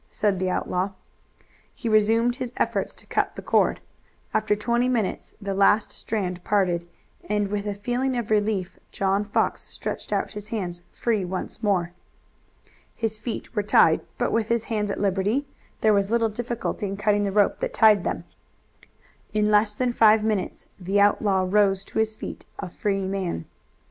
said the outlaw. He resumed his efforts to cut the cord. After twenty minutes the last strand parted, and with a feeling of relief John Fox stretched out his hands, free once more. His feet were tied, but with his hands at liberty there was little difficulty in cutting the rope that tied them. In less than five minutes the outlaw rose to his feet a free man.